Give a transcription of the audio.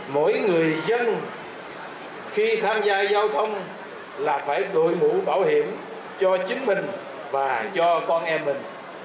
mỗi người dân khi tham gia giao thông là phải đội mũ bảo hiểm cho chính mình và cho con em mình